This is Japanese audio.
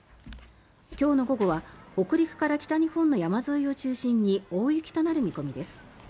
今日の午後は北陸から北日本の山沿いを中心に大雪となる見込みです。